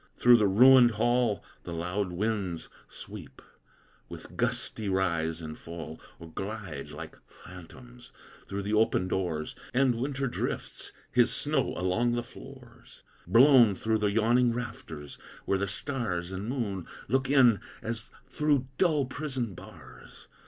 Through the ruined hall The loud winds sweep, with gusty rise and fall, Or glide, like phantoms, through the open doors; And winter drifts his snow along the floors, Blown through the yawning rafters, where the stars And moon look in as through dull prison bars.